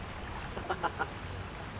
ハハハハ。